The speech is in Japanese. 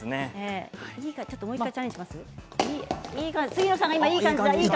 もう１回チャレンジしますか。